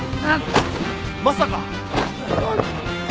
まさか！